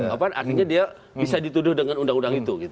artinya dia bisa dituduh dengan undang undang itu